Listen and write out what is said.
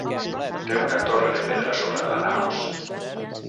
Té una torre de pedra sobre la naos.